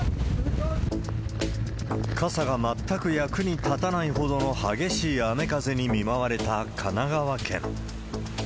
傘が全く役に立たないほどの激しい雨風に見舞われた神奈川県。